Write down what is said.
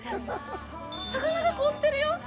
魚が凍ってるよ。